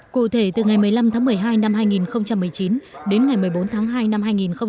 cụ thể từ ngày một mươi năm tháng một mươi hai năm hai nghìn một mươi chín đến ngày một mươi bốn tháng hai năm hai nghìn hai mươi